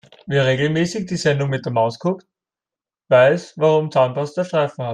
Wer regelmäßig die Sendung mit der Maus guckt, weiß warum Zahnpasta Streifen hat.